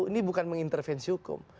ini bukan mengintervensi hukum